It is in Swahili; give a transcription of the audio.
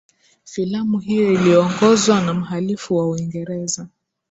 filamu hiyo iliyoongozwa na mhalifu wa uingereza